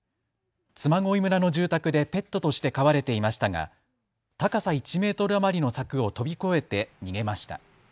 嬬恋村の住宅でペットとして飼われていましたが高さ１メートル余りの柵を飛び越えて逃げました。